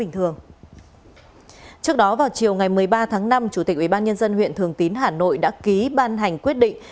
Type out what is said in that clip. trước đó vào chiều ngày một mươi ba tháng năm chủ tịch ubnd huyện thường tín hà nội đã ký ban hành quyết định